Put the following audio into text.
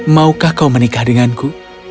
maukah kau menikah denganku